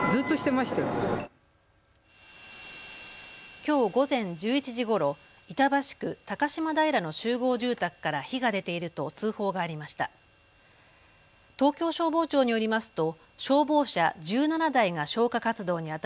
きょう午前１１時ごろ板橋区高島平の集合住宅から火が出ていると通報がありました。